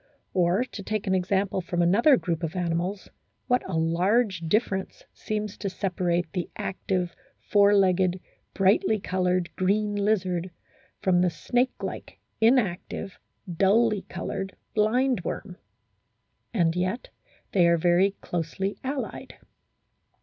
Or to take an example from another group of animals what a large difference seems to separate the active, four legged, brightly coloured, green lizard from the snake like, inactive, dully coloured blindworm, and yet they are very closely allied.